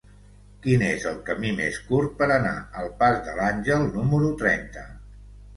Quin és el camí més curt per anar al pas de l'Àngel número trenta?